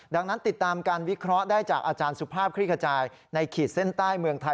ดังนั้นติดตามการวิเคราะห์ได้จากอาจารย์สุภาพคลิกขจายในขีดเส้นใต้เมืองไทย